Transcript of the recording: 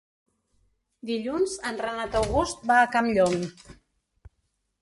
Dilluns en Renat August va a Campllong.